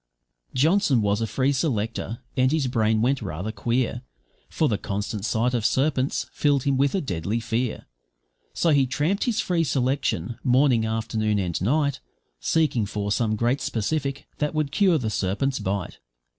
Johnson was a free selector, and his brain went rather queer, For the constant sight of serpents filled him with a deadly fear; So he tramped his free selection, morning, afternoon, and night, Seeking for some great specific that would cure the serpent's bite.